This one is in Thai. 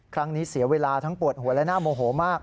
ครั้งนี้เสียเวลาทั้งปวดหัวและหน้าโมโหมาก